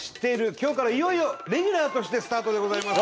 今日からいよいよレギュラーとしてスタートでございます！